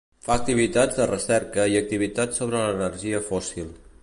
Fa activitats de recerca i activitats sobre l'energia fòssil